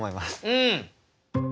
うん！